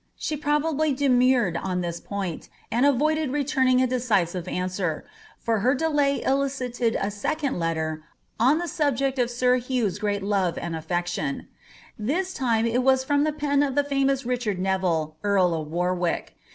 She probably demurred on lliis point* ■nd Bvnitjed reluming a decisive answer; for her delay elicited n •ecood letter, on ihe subject of sir Huirh's greai love bihI affection. Tbia tins it was from the pen of the famous Richard Neville, earl of Warwick.